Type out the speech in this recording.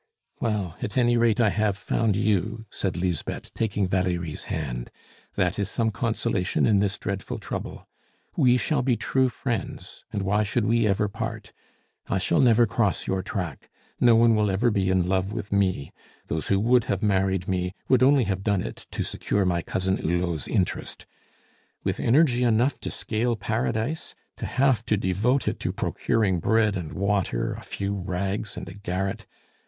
"Well, at any rate, I have found you," said Lisbeth, taking Valerie's hand, "that is some consolation in this dreadful trouble. We shall be true friends; and why should we ever part? I shall never cross your track. No one will ever be in love with me! Those who would have married me, would only have done it to secure my Cousin Hulot's interest. With energy enough to scale Paradise, to have to devote it to procuring bread and water, a few rags, and a garret!